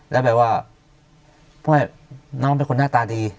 แล้วแบบว่าน้องเป็นคนหน้าตาดี